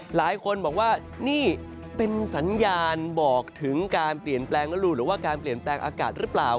หลายคนบอกว่านี่เป็นสัญญาณบอกถึงการเปลี่ยนแปลงฤดูหรือว่าการเปลี่ยนแปลงอากาศหรือเปล่า